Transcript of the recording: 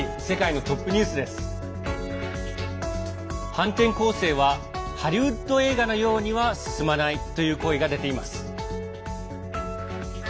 反転攻勢はハリウッド映画のようには進まないという声が出ています。